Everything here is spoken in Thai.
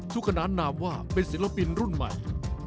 ขนานนามว่าเป็นศิลปินรุ่นใหม่